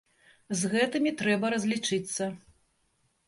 З гэтымі трэба разлічыцца.